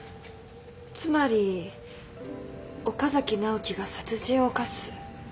つまり岡崎直樹が殺人を犯す。